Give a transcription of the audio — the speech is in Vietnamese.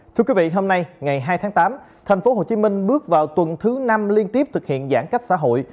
thưa quý vị hôm nay ngày hai tháng tám thành phố hồ chí minh bước vào tuần thứ năm liên tiếp thực hiện giãn cách xã hội